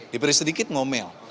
diberi sedikit ngomel